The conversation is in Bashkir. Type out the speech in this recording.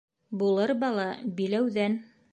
Булыр бала биләүҙән.